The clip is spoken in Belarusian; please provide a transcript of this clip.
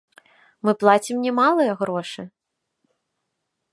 Мы плацім немалыя грошы.